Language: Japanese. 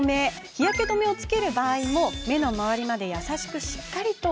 日焼け止めをつける場合も目の周りまで優しく、しっかりと。